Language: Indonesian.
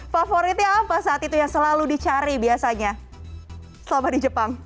favoritnya apa saat itu yang selalu dicari biasanya selama di jepang